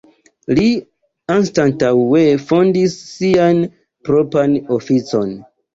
Li anstataŭe fondis sian propran oficon.